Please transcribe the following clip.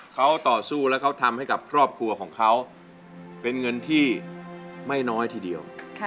เขาต่อสู้แล้วเขาทำให้กับครอบครัวของเขาเป็นเงินที่ไม่น้อยทีเดียว